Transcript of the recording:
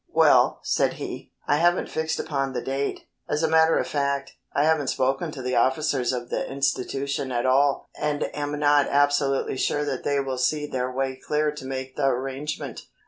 "Well," said he, "I haven't fixed upon the date. As a matter of fact, I haven't spoken to the officers of the institution at all and am not absolutely sure that they will see their way clear to make the arrangement.